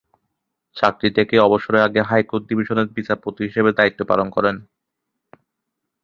চাকরি থেকে অবসরের আগে হাইকোর্ট ডিভিশনের বিচারপতি হিসেবে দ্বায়িত্ব পালন করেন।